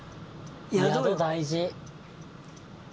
宿大事。